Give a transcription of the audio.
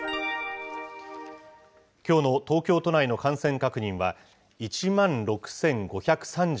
きょうの東京都内の感染確認は、１万６５３８人。